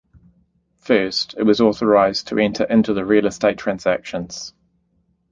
First, it was authorised to enter into real estate transactions.